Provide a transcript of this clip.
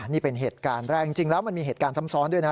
นี่เป็นเหตุการณ์แรกจริงแล้วมันมีเหตุการณ์ซ้ำซ้อนด้วยนะ